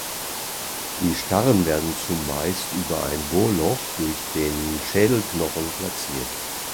Die starren werden zumeist über ein Bohrloch durch den Schädelknochen platziert.